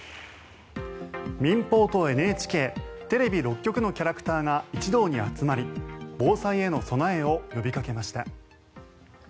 民放とＮＨＫテレビ６局のキャラクターが一堂に集まり防災への備えを呼びかけました。